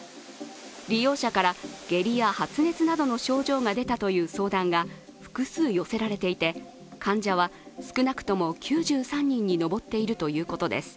利用者から下痢や発熱などの症状が出たとの相談が複数寄せられていて患者は少なくとも９３人に上っているということです。